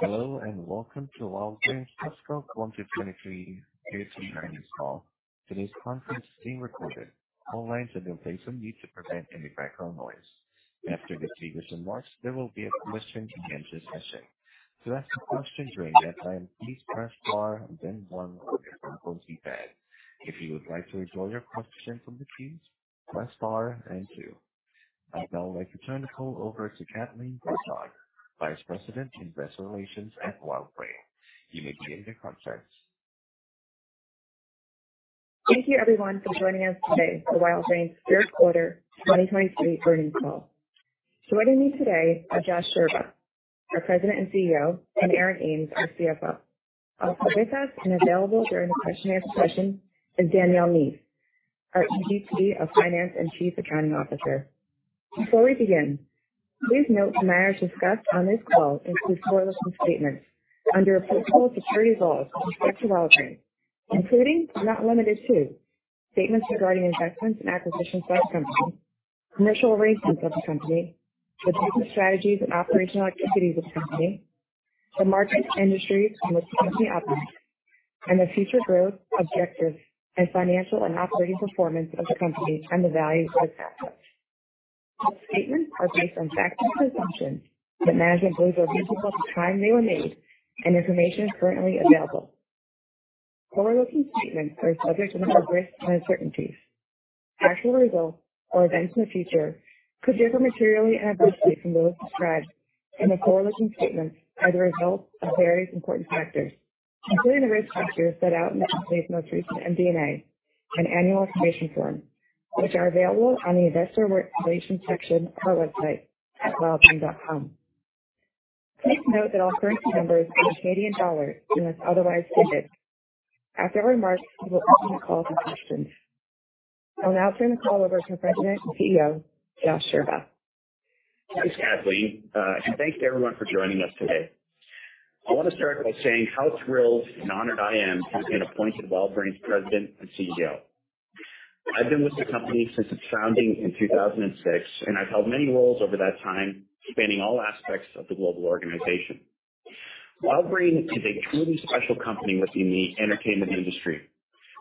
Hello, welcome to WildBrain's fiscal 2023 earnings call. Today's conference is being recorded. All lines have been placed on mute to prevent any background noise. After the previous remarks, there will be a question-and-answer session. To ask a question during that time, please press star one on your phone keypad. If you would like to withdraw your question from the queues, press star two. I'd now like to turn the call over to Kathleen Persaud, Vice President in Investor Relations at WildBrain. You may begin the conference. Thank you everyone for joining us today for WildBrain's third quarter 2023 earnings call. Joining me today are Josh Scherba, our President and CEO, and Aaron Ames, our CFO. Also with us and available during the question and answer session is Danielle Neath, our EVP of Finance and Chief Accounting Officer. Before we begin, please note the matters discussed on this call include forward-looking statements under applicable security laws with respect to WildBrain, including but not limited to statements regarding investments and acquisitions by the company, commercial ratings of the company, the business strategies and operational activities of the company, the markets, industries in which the company operates, and the future growth, objectives, and financial and operating performance of the company and the value of its assets. All statements are based on facts and assumptions that management believes are reasonable at the time they were made and information is currently available. Forward-looking statements are subject to a number of risks and uncertainties. Actual results or events in the future could differ materially and adversely from those described in the forward-looking statements as a result of various important factors, including the risk factors set out in the company's most recent MD&A and annual information form, which are available on the investor relations section of our website at wildbrain.com. Please note that all currency numbers are in Canadian dollars unless otherwise stated. After remarks, we will open the call to questions. I'll now turn the call over to President and CEO, Josh Scherba. Thanks, Kathleen, and thanks to everyone for joining us today. I want to start by saying how thrilled and honored I am to have been appointed WildBrain's President and CEO. I've been with the company since its founding in 2006, I've held many roles over that time, spanning all aspects of the global organization. WildBrain is a truly special company within the entertainment industry,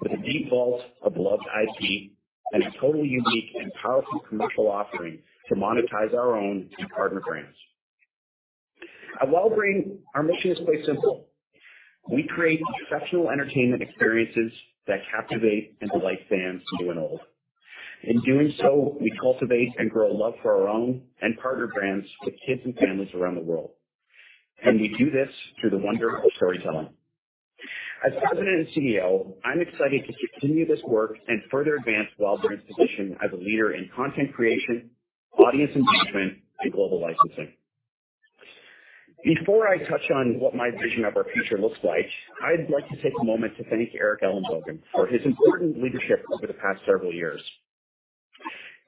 with a deep vault of beloved IP and a totally unique and powerful commercial offering to monetize our own and partner brands. At WildBrain, our mission is quite simple. We create exceptional entertainment experiences that captivate and delight fans new and old. In doing so, we cultivate and grow love for our own and partner brands with kids and families around the world. We do this through the wonder of storytelling. As President and CEO, I'm excited to continue this work and further advance WildBrain's position as a leader in content creation, audience engagement, and global licensing. Before I touch on what my vision of our future looks like, I'd like to take a moment to thank Eric Ellenbogen for his important leadership over the past several years.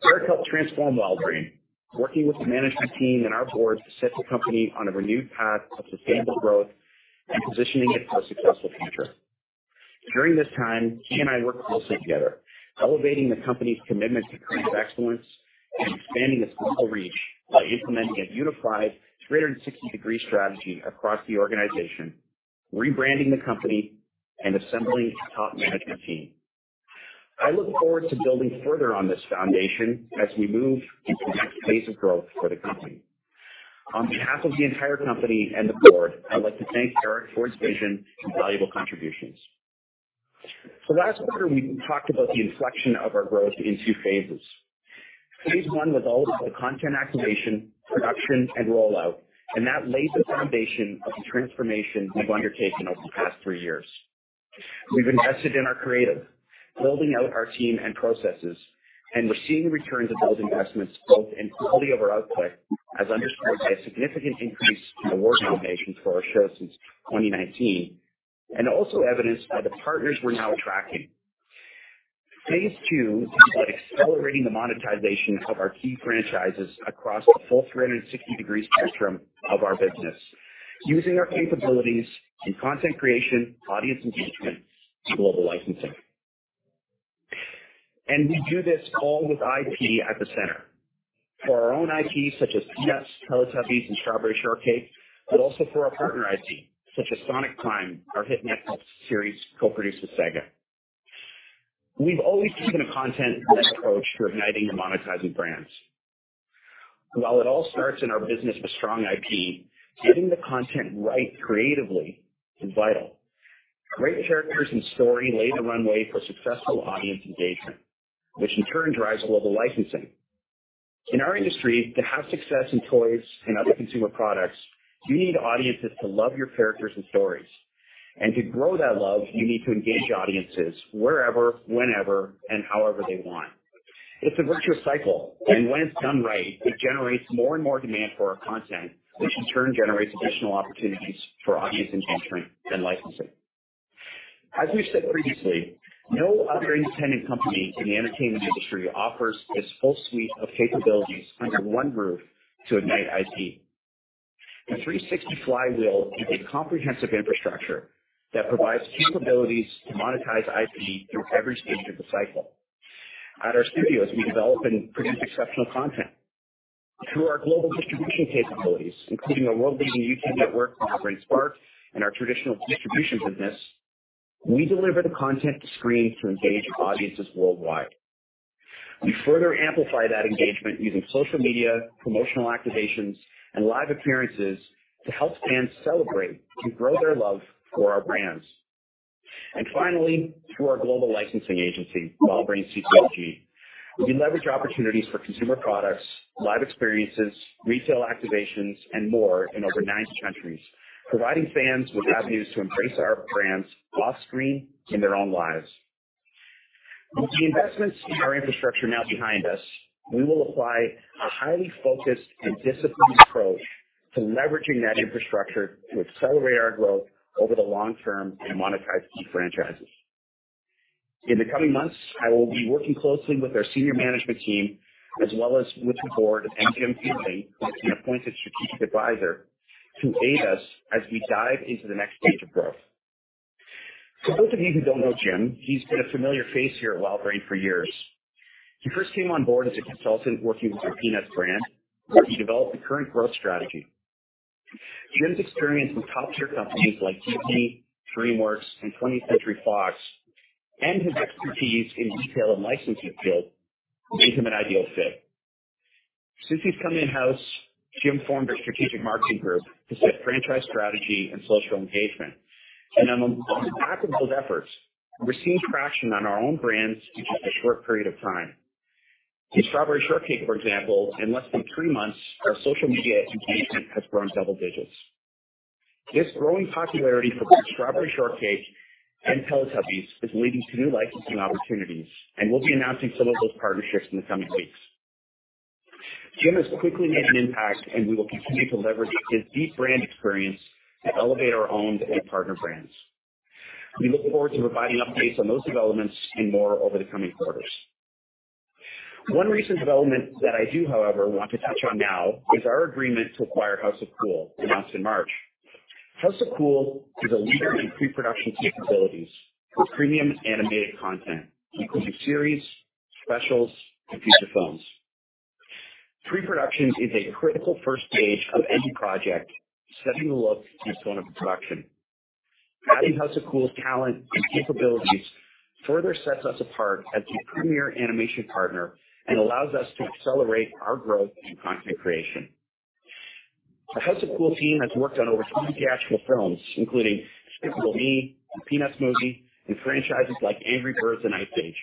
Eric helped transform WildBrain, working with the management team and our board to set the company on a renewed path of sustainable growth and positioning it for a successful future. During this time, he and I worked closely together, elevating the company's commitment to creative excellence and expanding its global reach by implementing a unified 360° strategy across the organization, rebranding the company, and assembling its top management team. I look forward to building further on this foundation as we move to the next phase of growth for the company. On behalf of the entire company and the board, I'd like to thank Eric for his vision and valuable contributions. Last quarter, we talked about the inflection of our growth in 2 phases. Phase one was all about content activation, production, and rollout, and that laid the foundation of the transformation we've undertaken over the past three years. We've invested in our creative, building out our team and processes, and we're seeing returns of those investments both in quality of our output, as underscored by a significant increase in award nominations for our shows since 2019, and also evidenced by the partners we're now attracting. Phase two is about accelerating the monetization of our key franchises across the full 360° spectrum of our business, using our capabilities in content creation, audience engagement, and global licensing. We do this all with IP at the center. For our own IP such as Peppa, Teletubbies, and Strawberry Shortcake, but also for our partner IP such as Sonic Prime, our hit Netflix series co-produced with SEGA. We've always taken a content-led approach to igniting or monetizing brands. While it all starts in our business with strong IP, getting the content right creatively is vital. Great characters and story lay the runway for successful audience engagement, which in turn drives global licensing. In our industry, to have success in toys and other consumer products, you need audiences to love your characters and stories. To grow that love, you need to engage audiences wherever, whenever, and however they want. It's a virtuous cycle, and when it's done right, it generates more and more demand for our content, which in turn generates additional opportunities for audience engagement and licensing. As we've said previously, no other independent company in the entertainment industry offers this full suite of capabilities under one roof to ignite IP. The 360 flywheel is a comprehensive infrastructure that provides capabilities to monetize IP through every stage of the cycle. At our studios, we develop and produce exceptional content. Through our global distribution capabilities, including our world-leading YouTube network, WildBrain Spark, and our traditional distribution business, we deliver the content to screen to engage audiences worldwide. We further amplify that engagement using social media, promotional activations, and live appearances to help fans celebrate to grow their love for our brands. Finally, through our global licensing agency, WildBrain CPLG, we leverage opportunities for consumer products, live experiences, retail activations and more in over 90 countries, providing fans with avenues to embrace our brands off-screen in their own lives. With the investments in our infrastructure now behind us, we will apply a highly focused and disciplined approach to leveraging that infrastructure to accelerate our growth over the long term and monetize key franchises. In the coming months, I will be working closely with our senior management team as well as with the board and Jim Fielding, who has been appointed strategic advisor to aid us as we dive into the next stage of growth. For those of you who don't know Jim, he's been a familiar face here at WildBrain for years. He first came on board as a consultant working with our Peanuts brand, where he developed the current growth strategy. Jim's experience with top-tier companies like Disney, DreamWorks and Twentieth Century Fox, and his expertise in detail and licensing field made him an ideal fit. Since he's come in-house, Jim formed our strategic marketing group to set franchise strategy and social engagement. On the back of those efforts, we're seeing traction on our own brands in just a short period of time. With Strawberry Shortcake, for example, in less than three months, our social media engagement has grown double digits. This growing popularity for both Strawberry Shortcake and Teletubbies is leading to new licensing opportunities, and we'll be announcing some of those partnerships in the coming weeks. Jim has quickly made an impact, and we will continue to leverage his deep brand experience to elevate our owned and partner brands. We look forward to providing updates on those developments and more over the coming quarters. One recent development that I do, however, want to touch on now is our agreement to acquire House of Cool, announced in March. House of Cool is a leader in pre-production capabilities for premium animated content, including series, specials, and feature films. Pre-production is a critical first stage of any project, setting the look and tone of a production. Adding House of Cool's talent and capabilities further sets us apart as a premier animation partner and allows us to accelerate our growth in content creation. The House of Cool team has worked on over 20 theatrical films, including Despicable Me, A Peanuts Movie, and franchises like Angry Birds and Ice Age.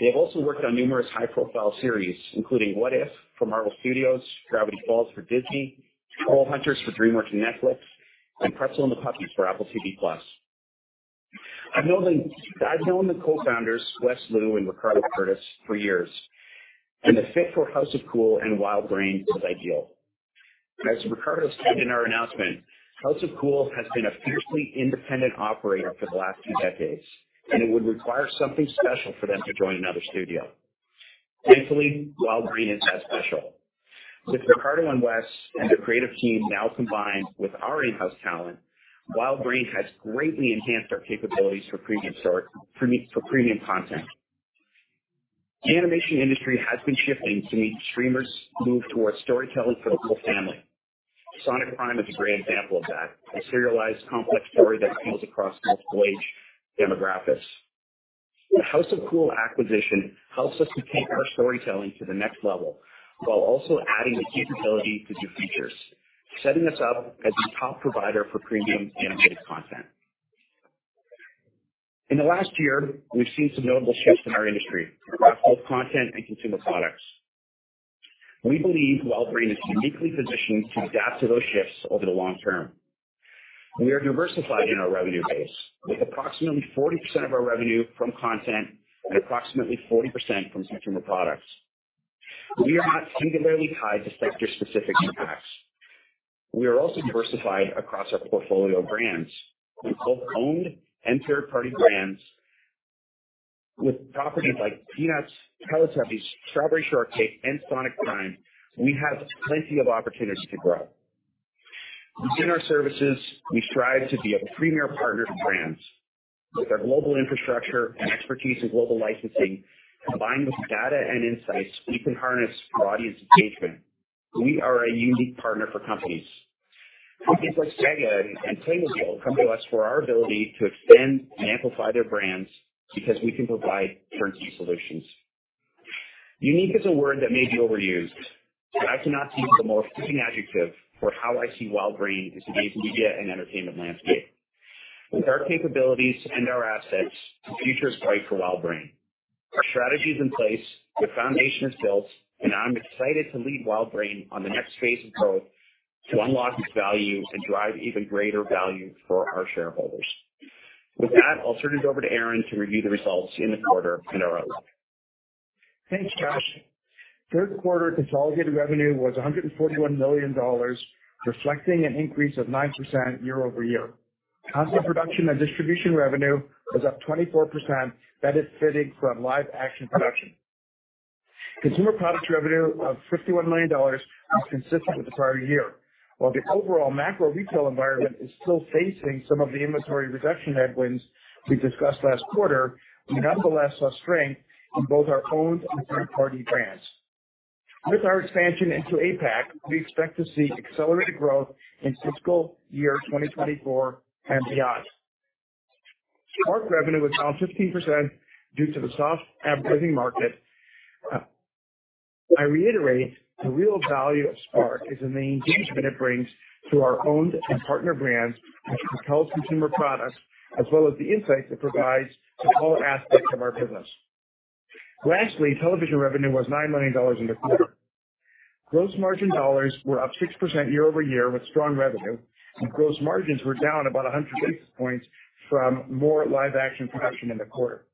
They have also worked on numerous high-profile series, including What If...? from Marvel Studios, Gravity Falls for Disney, Trollhunters for DreamWorks and Netflix, and Pretzel and the Puppies for Apple TV+. I've known the co-founders, Wes Lui and Ricardo Curtis, for years, the fit for House of Cool and WildBrain is ideal. As Ricardo said in our announcement, House of Cool has been a fiercely independent operator for the last two decades, it would require something special for them to join another studio. Thankfully, WildBrain is that special. With Ricardo and Wes and their creative team now combined with our in-house talent, WildBrain has greatly enhanced our capabilities for premium content. The animation industry has been shifting to meet streamers' move towards storytelling for the whole family. Sonic Prime is a great example of that, a serialized complex story that appeals across multiple age demographics. The House of Cool acquisition helps us to take our storytelling to the next level while also adding the capability to do features, setting us up as the top provider for premium animated content. In the last year, we've seen some notable shifts in our industry across both content and consumer products. We believe WildBrain is uniquely positioned to adapt to those shifts over the long term. We are diversified in our revenue base, with approximately 40% of our revenue from content and approximately 40% from consumer products. We are not singularly tied to sector-specific impacts. We are also diversified across our portfolio of brands. With both owned and third-party brands, with properties like Peanuts, Teletubbies, Strawberry Shortcake and Sonic Prime, we have plenty of opportunities to grow. Within our services, we strive to be a premier partner to brands. With our global infrastructure and expertise in global licensing combined with data and insights, we can harness audience engagement. We are a unique partner for companies. Companies like SEGA and Tangoäle come to us for our ability to extend and amplify their brands because we can provide turnkey solutions. Unique is a word that may be overused, but I cannot think of a more fitting adjective for how I see WildBrain in today's media and entertainment landscape. With our capabilities and our assets, the future is bright for WildBrain. Our strategy is in place, the foundation is built, and I'm excited to lead WildBrain on the next phase of growth to unlock its value and drive even greater value for our shareholders. With that, I'll turn it over to Aaron to review the results in the quarter and our outlook. Thanks, Josh. Third quarter consolidated revenue was 141 million dollars, reflecting an increase of 9% year-over-year. Content production and distribution revenue was up 24%. That is fitting from live action production. Consumer products revenue of 51 million dollars was consistent with the prior year. While the overall macro retail environment is still facing some of the inventory reduction headwinds we discussed last quarter, we nonetheless saw strength in both our owned and third-party brands. With our expansion into APAC, we expect to see accelerated growth in fiscal year 2024 and beyond. Spark revenue was down 15% due to the soft advertising market. I reiterate the real value of Spark is in the engagement it brings to our owned and partner brands, which propels consumer products as well as the insights it provides to all aspects of our business. Television revenue was 9 million dollars in the quarter. Gross margin dollars were up 6% year-over-year with strong revenue. Gross margins were down about 100 basis points from more live action production in the quarter.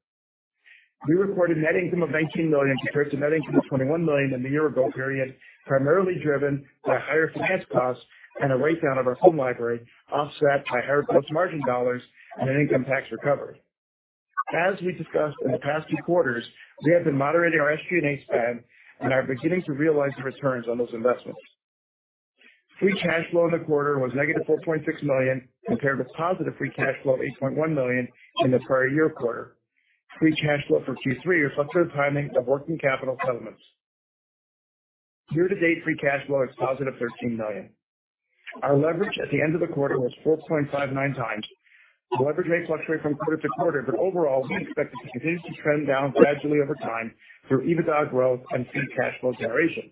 We recorded net income of 19 million compared to net income of 21 million in the year-ago period, primarily driven by higher finance costs and a write-down of our home library, offset by higher gross margin dollars and an income tax recovery. As we discussed in the past few quarters, we have been moderating our SG&A spend and are beginning to realize the returns on those investments. Free cash flow in the quarter was negative 4.6 million compared with positive free cash flow, 8.1 million in the prior-year quarter. Free cash flow for Q3 reflects the timing of working capital settlements. Year to date, free cash flow is positive 13 million. Our leverage at the end of the quarter was 4.59 times. Leverage may fluctuate from quarter-to-quarter, but overall, we expect it to continue to trend down gradually over time through EBITDA growth and free cash flow generation.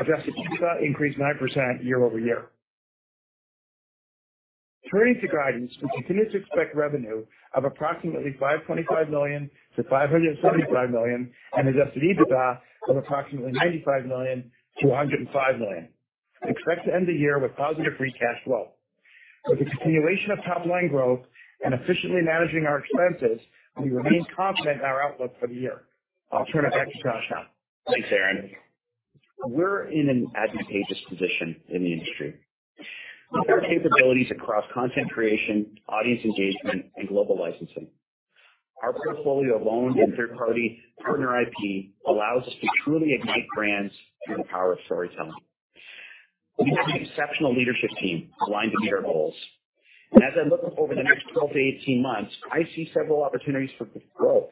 Adjusted EBITDA increased 9% year-over-year. Turning to guidance, we continue to expect revenue of approximately 525 million-525 million and Adjusted EBITDA of approximately 95 million-105 million. We expect to end the year with positive free cash flow. With the continuation of top line growth and efficiently managing our expenses, we remain confident in our outlook for the year. I'll turn it back to Josh now. Thanks, Aaron. We're in an advantageous position in the industry with our capabilities across content creation, audience engagement, and global licensing. Our portfolio of owned and third-party partner IP allows us to truly ignite brands through the power of storytelling. We have an exceptional leadership team aligned to meet our goals. As I look over the next 12-18 months, I see several opportunities for growth.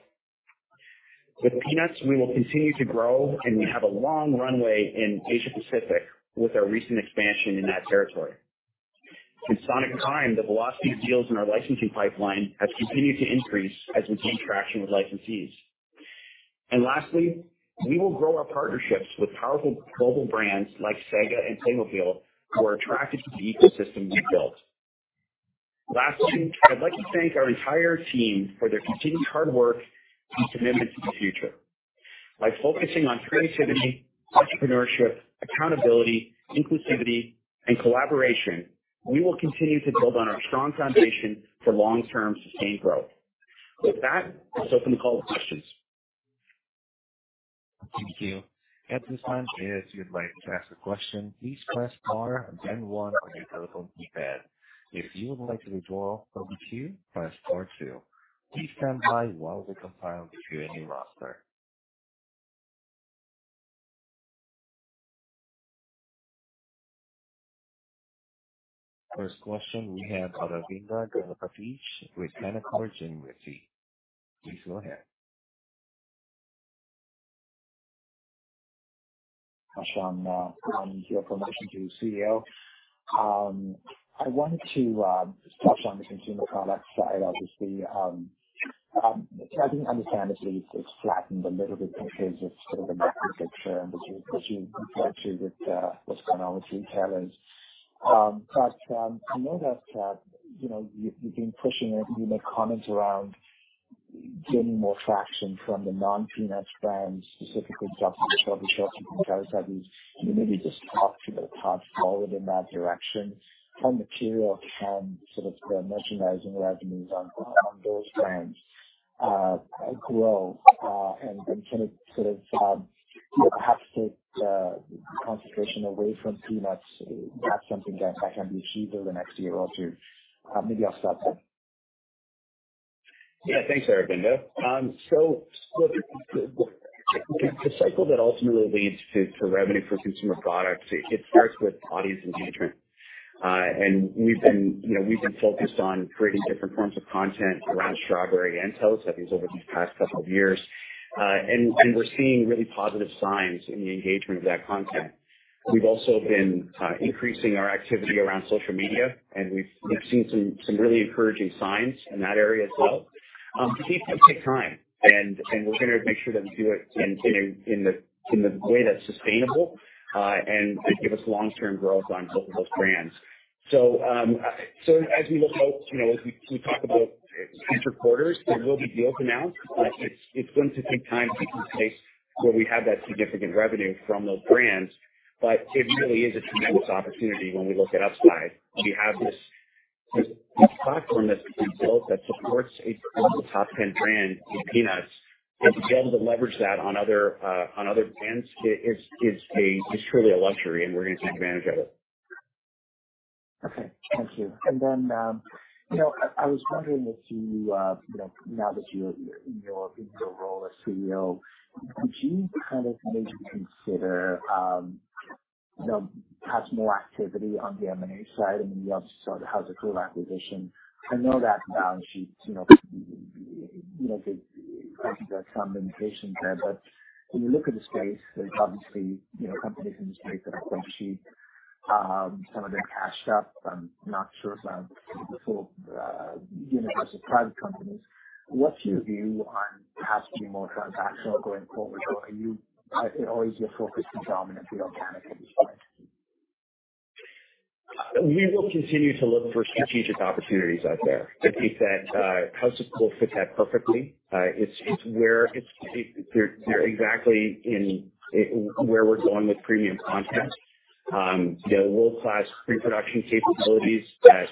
With Peanuts, we will continue to grow, and we have a long runway in Asia Pacific with our recent expansion in that territory. In Sonic Prime, the velocity of deals in our licensing pipeline has continued to increase as we see traction with licensees. Lastly, we will grow our partnerships with powerful global brands like SEGA and Playmobil, who are attracted to the ecosystem we've built. Lastly, I'd like to thank our entire team for their continued hard work and commitment to the future. By focusing on creativity, entrepreneurship, accountability, inclusivity, and collaboration, we will continue to build on our strong foundation for long-term sustained growth. With that, I'll open the call to questions. Thank you. At this time, if you would like to ask a question, please press star then 1 on your telephone keypad. If you would like to withdraw or mute, press star two. Please stand by while we compile the Q&A roster. First question we have Aravinda Galappatthige with Canaccord Genuity. Please go ahead. Josh, on your promotion to CEO, I wanted to touch on the consumer products side, obviously. I think understandably it's flattened a little bit because of sort of the macro picture, and as you referred to with what's going on with retailers. I know that, you know, you've been pushing it and you made comments around gaining more traction from the non-Peanuts brands, specifically Strawberry Shortcake and Care Bears. Can you maybe just talk to the path forward in that direction? How material can sort of the merchandising revenues on those brands grow? Can it sort of, you know, perhaps take concentration away from Peanuts? Is that something that can be achieved over the next year or two? Maybe I'll stop there. Yeah. Thanks, Aravinda. The cycle that ultimately leads to revenue for consumer products, it starts with audience engagement. We've been, you know, we've been focused on creating different forms of content around Strawberry and Shortcake over these past couple of years. We're seeing really positive signs in the engagement of that content. We've also been increasing our activity around social media, and we've seen some really encouraging signs in that area as well. These things take time and we're gonna make sure that we do it in a way that's sustainable and give us long-term growth on both of those brands. As we look out, you know, as we talk about future quarters, there will be deals announced, but it's going to take time to get to a place where we have that significant revenue from those brands. It really is a tremendous opportunity when we look at upside. We have this platform that we've built that supports a global top 10 brand with Peanuts. To be able to leverage that on other on other brands is truly a luxury, and we're gonna take advantage of it. Okay, thank you. I was wondering if you know, now that you're in your role as CEO, would you kind of maybe consider, you know, have more activity on the M&A side? I mean, you obviously saw the House of Cool acquisition. I know that balance sheet, you know, there's obviously there are some limitations there, but when you look at the space, there's obviously, you know, companies in the space that are cash-rich, some of them cashed up. I'm not sure about the full universe of private companies. What's your view on possibly more transactional going forward? Or is your focus predominantly organic at this point? We will continue to look for strategic opportunities out there. I think that House of Cool fits that perfectly. They're exactly in where we're going with premium content. you know, world-class pre-production capabilities that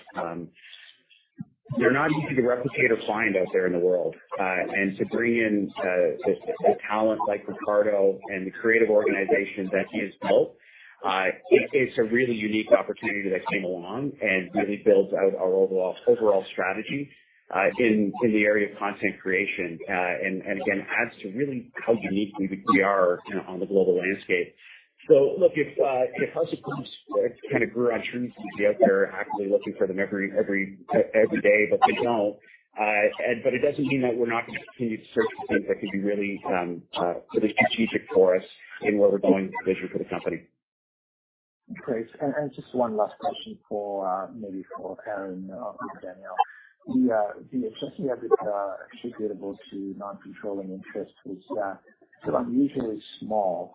they're not easy to replicate or find out there in the world. and to bring in the talent like Ricardo and the creative organization that he has built, it's a really unique opportunity that came along and really builds out our overall strategy in the area of content creation, and again, adds to really how unique we are, you know, on the global landscape. look, if House of Cools kind of grew on trees, we'd be out there actively looking for them every day, but they don't. It doesn't mean that we're not gonna continue to search for things that could be really, really strategic for us in where we're going visually for the company. Great. Just one last question for Aaron or Danielle. The adjusted EBITDA attributable to non-controlling interest was sort of unusually small.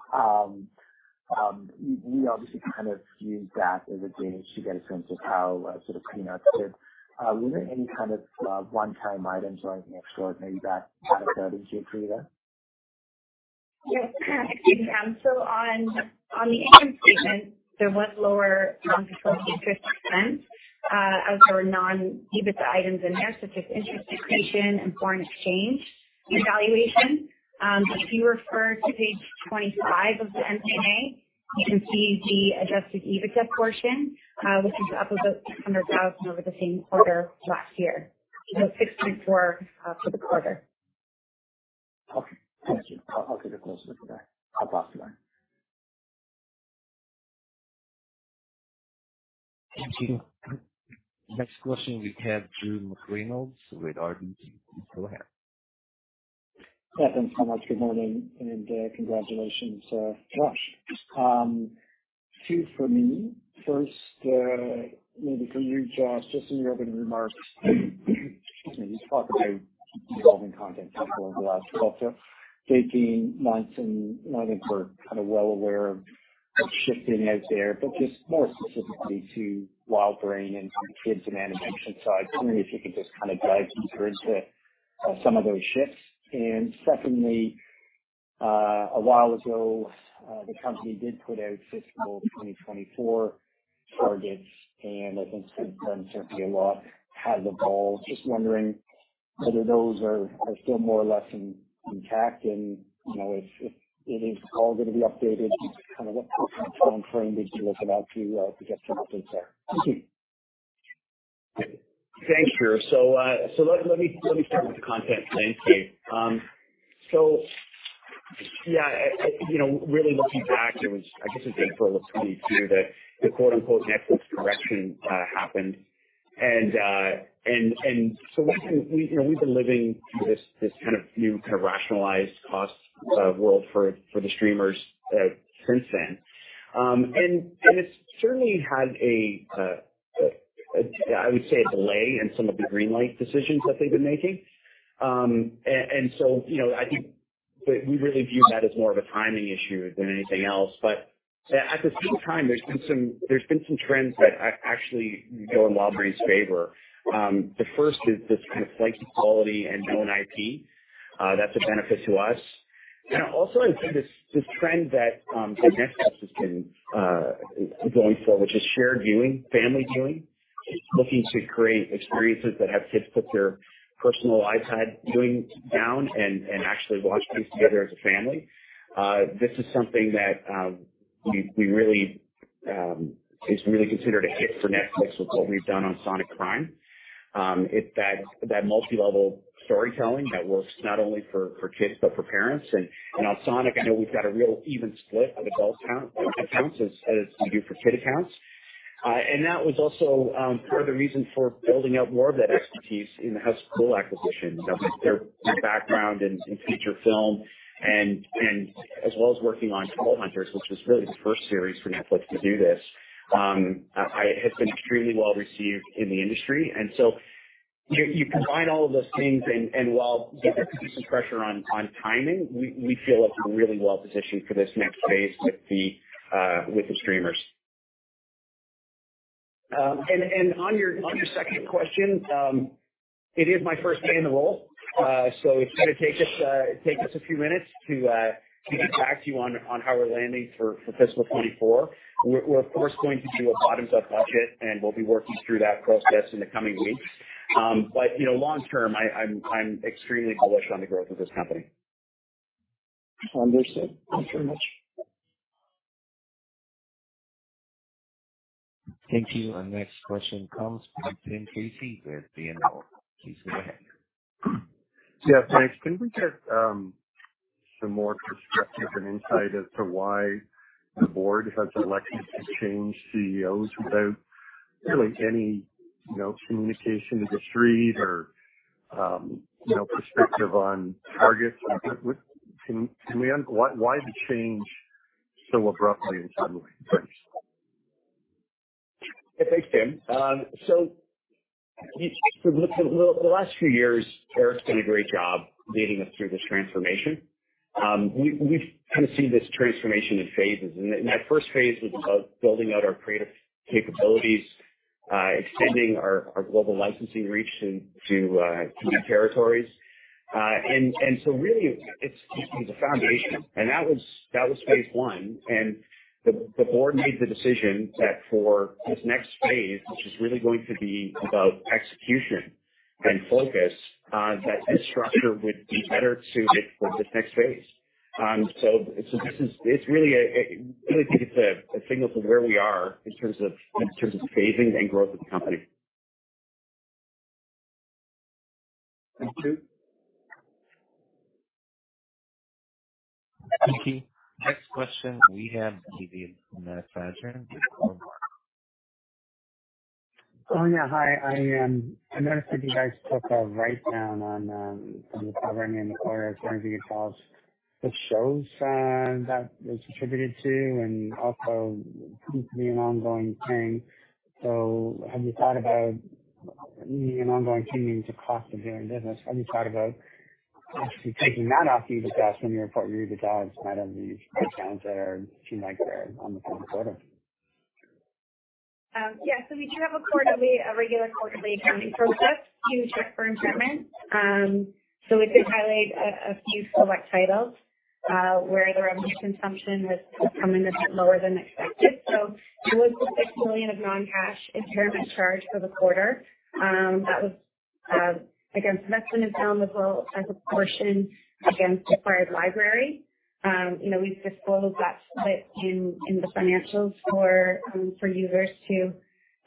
You obviously kind of viewed that as a gauge to get a sense of how sort of Peanuts did. Were there any kind of one-time items or anything extraordinary that kind of drove you to create that? Yes. Excuse me. On, on the income statement, there was lower non-controlling interest expense, as there were non-EBITDA items in there, such as interest accretion and foreign exchange evaluation. If you refer to page 25 of the MD&A, you can see the Adjusted EBITDA portion, which is up about 600,000 over the same quarter last year. 6.4 million for the quarter. Okay. Thank you. I'll take a closer look at that. I'll pass it on. Thank you. Next question we have Drew McReynolds with RBC. Go ahead. Yeah, thanks so much. Good morning and congratulations, Josh. Two for me. First, maybe for you, Josh, just in your opening remarks, excuse me, you talked about evolving content type over the last 12-18 months, and I think we're kind of well aware of shifting out there, but just more specifically to WildBrain and kids and animation side, wondering if you could just kind of dive deeper into some of those shifts. Secondly, a while ago, the company did put out fiscal 2024 targets, and I think since then, certainly a lot has evolved. Just wondering whether those are still more or less in, intact and, you know, if it is all gonna be updated, just kind of what timeframe did you look about to get some updates there? Thanks, Drew. let me start with the content landscape. Yeah, you know, really looking back, it was, I guess, in April of 2022 that the quote unquote Netflix correction happened. we've been, you know, we've been living through this kind of new rationalized cost world for the streamers since then. it's certainly had, I would say, a delay in some of the green light decisions that they've been making. you know, I think we really view that as more of a timing issue than anything else. At the same time, there's been some trends that actually go in WildBrain's favor. The first is this kind of slight quality and known IP that's a benefit to us. Also, I'd say this trend that Netflix has been going for, which is shared viewing, family viewing, looking to create experiences that have kids put their personal iPad viewing down and actually watch things together as a family. This is something that is really considered a hit for Netflix with what we've done on Sonic Prime. It's that multi-level storytelling that works not only for kids, but for parents. On Sonic, I know we've got a real even split of adult accounts as we do for kid accounts. That was also part of the reason for building out more of that expertise in the House of Cool acquisition. Their background in feature film and as well as working on Trollhunters, which was really the first series for Netflix to do this, it has been extremely well received in the industry. You combine all of those things and while there's been some pressure on timing, we feel like we're really well positioned for this next phase with the streamers. On your second question, it is my first day in the role. So it's gonna take us a few minutes to get back to you on how we're landing for fiscal 24. We're of course going to do a bottoms up budget, and we'll be working through that process in the coming weeks. You know, long term, I'm extremely bullish on the growth of this company. Understood. Thank you very much. Thank you. Our next question comes from Tim Casey with BMO. Please go ahead. Thanks. Can we get some more perspective and insight as to why the board has elected to change CEOs without really any, you know, communication to the street or, you know, perspective on targets? Why the change so abruptly and suddenly? Thanks. Yeah. Thanks, Tim. Over the last few years, Eric's done a great job leading us through this transformation. We've kind of seen this transformation in phases. That first phase was about building out our creative capabilities, extending our global licensing reach into key territories. Really it's a foundation. That was phase one. The board made the decision that for this next phase, which is really going to be about execution and focus, that this structure would be better suited for this next phase. really think it's a signal for where we are in terms of phasing and growth of the company. Thank you. Thank you. Next question we have Stevie from Manager. Oh, yeah. Hi. I noticed that you guys took a write-down on some of the programming in the quarter. I was wondering if you could tell us which shows that was attributed to and also seems to be an ongoing thing. Have you thought about an ongoing tuning to cost of doing business? Have you thought about actually taking that off your discuss when you report your results rather than these discounts that seem like they're on the front of the quarter? Yeah. We do have a quarterly, a regular quarterly accounting process to check for impairments. We did highlight a few select titles where the revenue consumption has come in a bit lower than expected. It was the 6 million of non-cash impairment charge for the quarter. That was again, that's been accountable as a portion against acquired library. You know, we've disclosed that bit in the financials for users to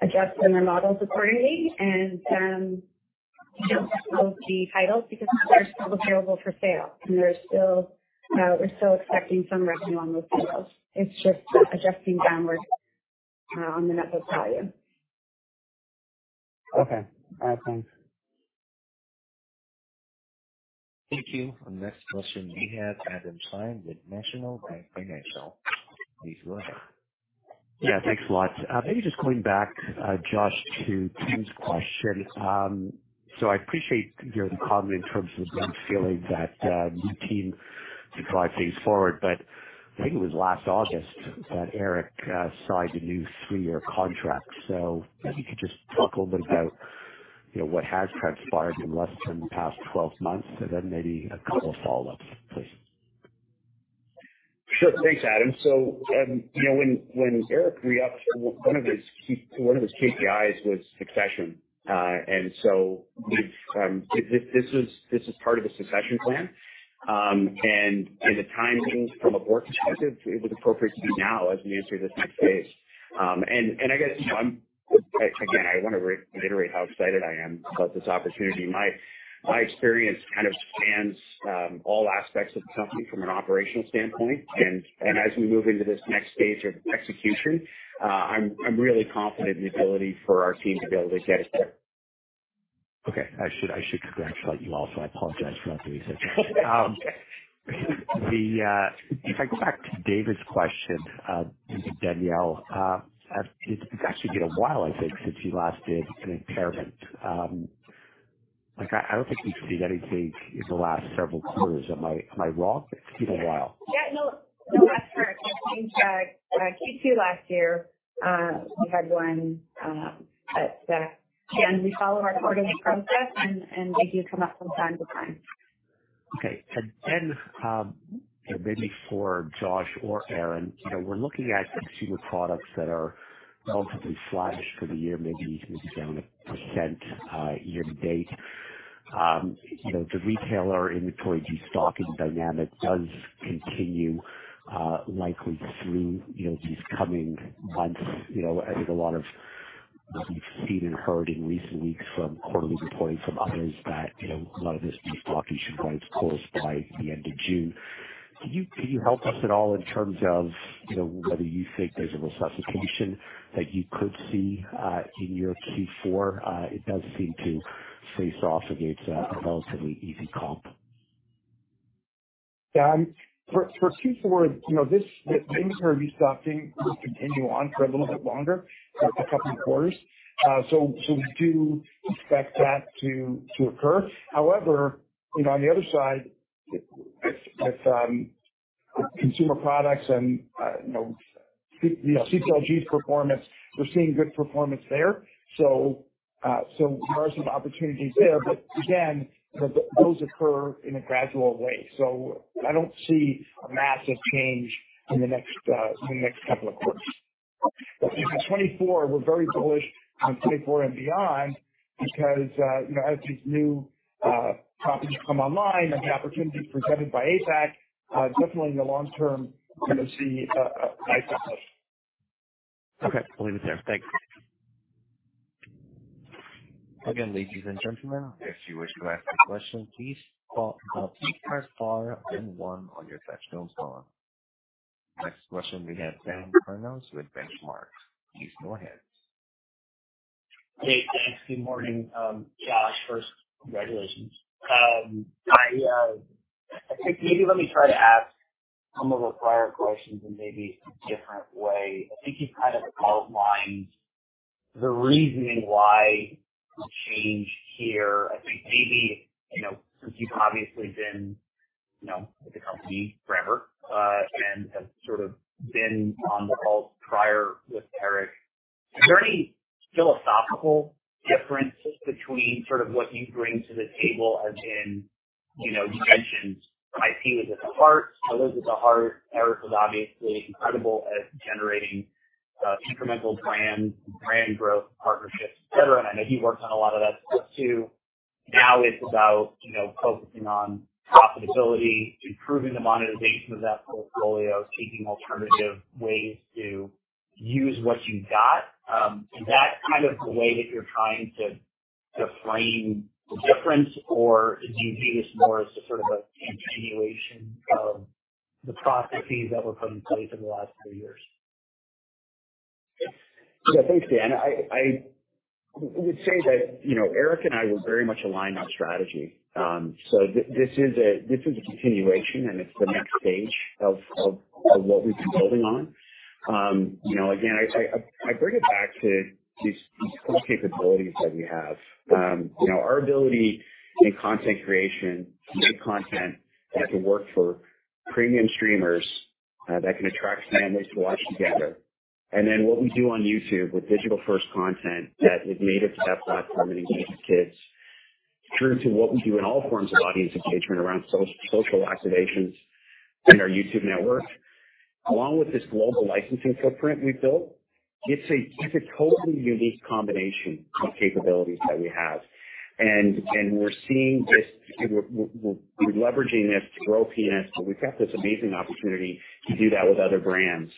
adjust in their models accordingly and we don't disclose the titles because they're still available for sale, and they're still, we're still expecting some revenue on those titles. It's just adjusting downwards on the net book value. Okay. Thanks. Thank you. Our next question we have Adam Klein with National Bank Financial. Please go ahead. Yeah. Thanks a lot. Maybe just going back, Josh, to Tim's question. I appreciate, you know, the comment in terms of feeling that new team to drive things forward. I think it was last August that Eric signed a new three-year contract. Maybe you could just talk a little bit about, you know, what has transpired in less than the past 12 months and then maybe a couple of follow-ups, please. Thanks, Adam. You know, when Eric re-upped, one of his key, one of his KPIs was succession. We've, this is part of a succession plan. The timing from a board perspective, it was appropriate to do now as we move through this next phase. I guess, you know, again, I wanna reiterate how excited I am about this opportunity. My experience kind of spans all aspects of the company from an operational standpoint. As we move into this next phase of execution, I'm really confident in the ability for our team to be able to get us there. Okay. I should congratulate you also. I apologize for not doing so. If I go back to David's question, Danielle, it's actually been a while, I think, since you last did an impairment. Like, I don't think we've seen anything in the last several quarters. Am I wrong? It's been a while. Yeah. No, no, that's correct. I think Q2 last year, we had one, but again, we follow our quarterly process and they do come up from time to time. Okay. Maybe for Josh or Aaron, you know, we're looking at consumer products that are relatively flatish for the year, maybe even down 1% year-to-date. You know, the retailer inventory destocking dynamic does continue, likely through, you know, these coming months. You know, there's a lot of, we've seen and heard in recent weeks from quarterly reporting from others that, you know, a lot of this destocking should run its course by the end of June. Can you help us at all in terms of, you know, whether you think there's a resuscitation that you could see in your Q4? It does seem to face off against a relatively easy comp. Yeah. For Q4, you know, this inventory restocking will continue on for a little bit longer, a couple of quarters. We do expect that to occur. However, you know, on the other side, if consumer products and, you know, CPLG's performance, we're seeing good performance there. There are some opportunities there. Again, those occur in a gradual way. I don't see a massive change in the next couple of quarters. In 2024, we're very bullish on 2024 and beyond because, you know, as these new properties come online and the opportunities presented by APAC, definitely in the long term, you're gonna see nice uplift. Okay. We'll leave it there. Thanks. Ladies and gentlemen, if you wish to ask a question, please call star four then one on your touchtone phone. Next question we have Daniel Kurnos with Benchmark. Please go ahead. Hey, thanks. Good morning. Josh, first, congratulations. I think maybe let me try to ask some of the prior questions in maybe a different way. I think you've kind of outlined the reasoning why a change here. I think maybe, you know, since you've obviously been, you know, with the company forever, and have sort of been on the calls prior with Eric, is there any philosophical difference between sort of what you bring to the table? As in, you know, you mentioned IP was at the heart. Elizabeth's at the heart. Eric was obviously incredible at generating incremental brand growth, partnerships, et cetera, and I know he worked on a lot of that stuff too. Now it's about, you know, focusing on profitability, improving the monetization of that portfolio, seeking alternative ways to use what you've got. Is that kind of the way that you're trying to frame the difference? Do you view this more as just sort of a continuation of the processes that were put in place over the last three years? Thanks, Dan. I would say that, you know, Eric and I were very much aligned on strategy. This is a continuation, and it's the next stage of what we've been building on. You know, again, I bring it back to these core capabilities that we have. You know, our ability in content creation to make content that can work for premium streamers, that can attract families to watch together, and then what we do on YouTube with digital-first content that is native to that platform and engages kids, through to what we do in all forms of audience engagement around social activations and our YouTube network. Along with this global licensing footprint we've built, it's a totally unique combination of capabilities that we have. We're seeing this... We're leveraging this to grow PN, but we've got this amazing opportunity to do that with other brands.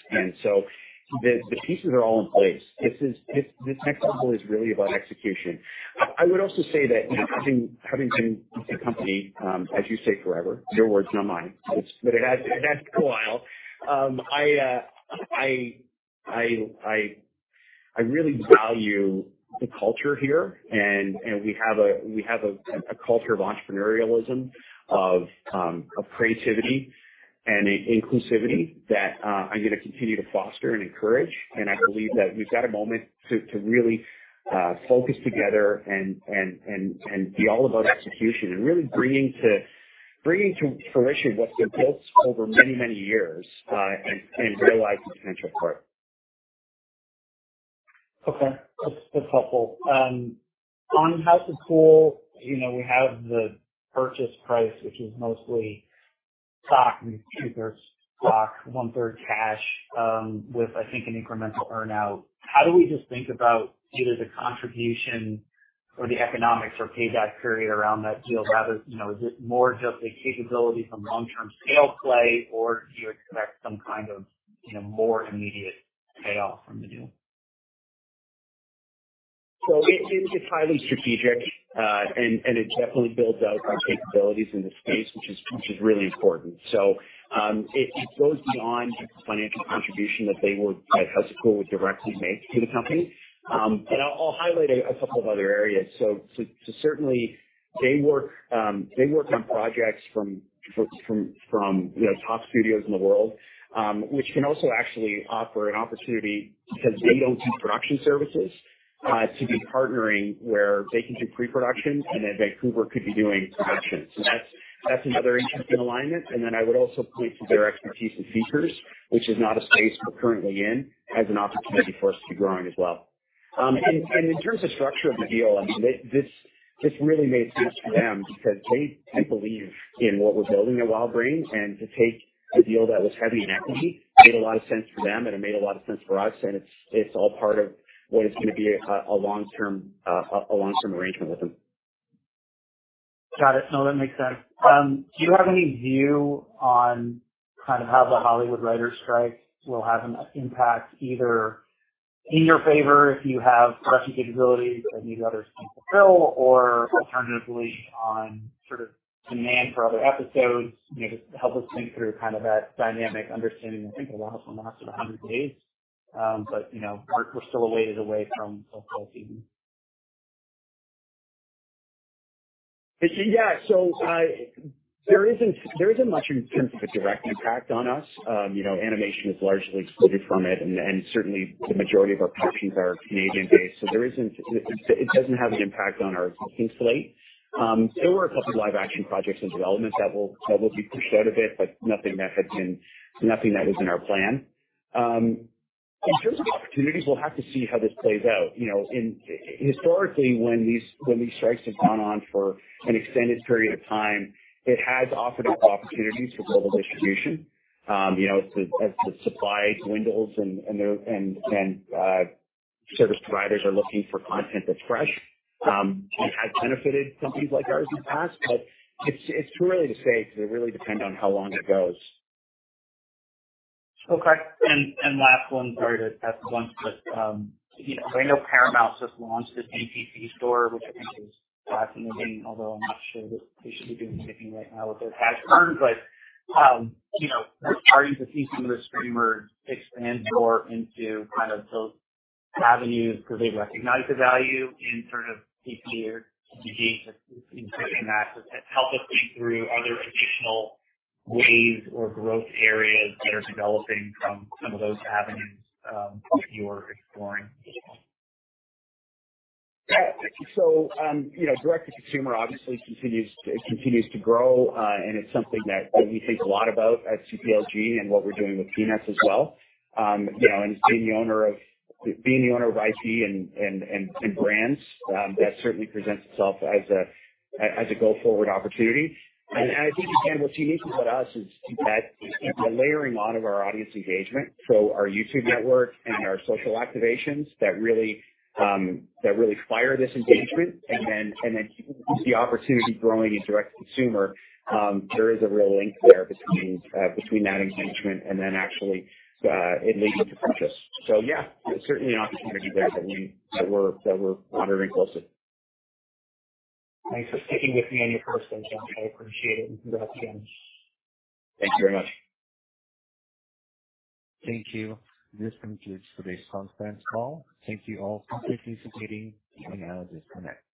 The pieces are all in place. This next level is really about execution. I would also say that, you know, having been with the company, as you say, forever, your words, not mine, but it has been a while. I really value the culture here and we have a culture of entrepreneurialism, of creativity and inclusivity that I'm gonna continue to foster and encourage. I believe that we've got a moment to really focus together and be all about execution and really bringing to fruition what's been built over many, many years, and realize the potential for it. Okay. That's, that's helpful. On House of Cool, you know, we have the purchase price, which is mostly stock, two-thirds stock, one-third cash, with I think an incremental earn-out. How do we just think about either the contribution or the economics or payback period around that deal? Rather, you know, is it more just a capability for long-term scale play, or do you expect some kind of, you know, more immediate payoff from the deal? It's highly strategic, and it definitely builds out our capabilities in the space, which is really important. It goes beyond just the financial contribution that House of Cool would directly make to the company. I'll highlight a couple of other areas. Certainly they work, they work on projects from, you know, top studios in the world, which can also actually offer an opportunity because they don't do production services, to be partnering where they can do pre-production and then Vancouver could be doing production. That's another interesting alignment. Then I would also point to their expertise in features, which is not a space we're currently in, as an opportunity for us to grow in as well. In terms of structure of the deal, I mean, this really made sense for them because they believe in what we're building at WildBrain. To take a deal that was heavy in equity made a lot of sense for them, and it made a lot of sense for us, and it's all part of what is gonna be a long-term, a long-term arrangement with them. Got it. No, that makes sense. Do you have any view on kind of how the Hollywood writers' strike will have an impact either in your favor if you have production capabilities that these others can't fulfill, or alternatively on sort of demand for other episodes? You know, just to help us think through kind of that dynamic understanding. I think the last one lasted 100 days, but you know, we're still a ways away from full season. There isn't much in terms of a direct impact on us. You know, animation is largely excluded from it and certainly the majority of our productions are Canadian-based, it doesn't have an impact on our existing slate. There were a couple live action projects in development that will be pushed out a bit, but nothing that was in our plan. In terms of opportunities, we'll have to see how this plays out. You know, historically, when these strikes have gone on for an extended period of time, it has offered up opportunities for global distribution. You know, as the supply dwindles and Service providers are looking for content that's fresh. It has benefited companies like ours in the past, but it's too early to say because it really depends on how long it goes. Okay. Last one. Sorry to ask at once, but, you know, I know Paramount just launched its PPC store, which I think is hot in the game, although I'm not sure that they should be doing anything right now with their cash burns. You know, are you the piece of the streamer expand more into kind of those avenues because they recognize the value in sort of PPC or CPG in doing that? Help us think through other additional ways or growth areas that are developing from some of those avenues that you're exploring. You know, direct to consumer obviously continues to grow, and it's something that we think a lot about at CPLG and what we're doing with Peanuts as well. You know, being the owner of IP and brands, that certainly presents itself as a go forward opportunity. I think, again, what's unique about us is that the layering on of our audience engagement. Our YouTube network and our social activations that really fire this engagement and then the opportunity for only these direct to consumer, there is a real link there between that engagement and then actually it leads into purchase. Certainly an opportunity there that we're monitoring closely. Thanks for sticking with me on your first one, Josh. I appreciate it, and congrats again. Thank you very much. Thank you. This concludes today's conference call. Thank you all for participating in Analysis Connect.